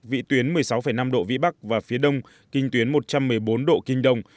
vị tuyến một mươi sáu năm độ vĩ bắc và phía đông kinh tuyến một trăm một mươi bốn độ kinh đông